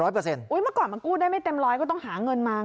เมื่อก่อนมันกู้ได้ไม่เต็มร้อยก็ต้องหาเงินมา